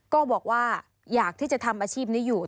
ก็บอกว่าอยากที่จะทำอาชีพนี้อยู่